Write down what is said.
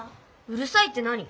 うるいさいって何？